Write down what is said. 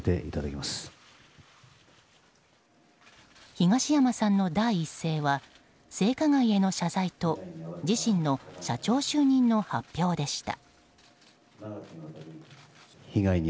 東山さんの第一声は性加害への謝罪と自身の社長就任の発表でした。